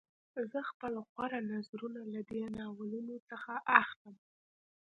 زه خپل غوره نظرونه له دې ناولونو څخه اخلم